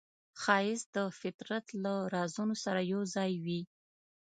ښایست د فطرت له رازونو سره یوځای وي